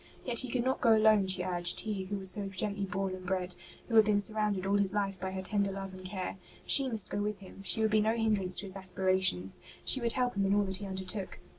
Yet he could not go alone, she urged, he who was so gently born and bred, who had been surrounded all his life by her tender love and care. She must go with him; she would be no hindrance to his aspirations; she would help him in all that he undertook.